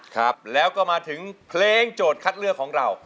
ครับแล้วก็มาถึงเพลงโจทย์คัดเลือกของเรา